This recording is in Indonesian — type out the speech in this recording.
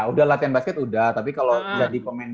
udah latihan basket udah tapi kalau jadi pemain